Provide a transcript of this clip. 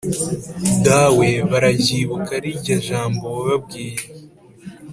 dawe, bararyibuka rirya jambo wababwiye